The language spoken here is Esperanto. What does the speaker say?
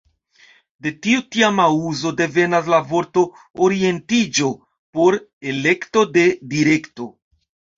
De tiu tiama uzo devenas la vorto ""orientiĝo"" por ""elekto de direkto"".